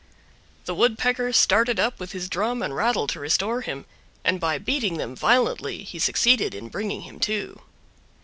The Woodpecker started up with his drum and rattle to restore him, and by beating them violently he succeeded in bringing him to.